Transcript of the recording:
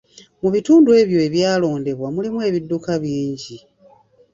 Mu bitundu ebyo ebyalondebwa mulimu ebidduka bingi.